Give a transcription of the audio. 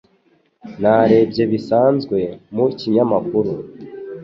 Narebye bisanzwe mu kinyamakuru.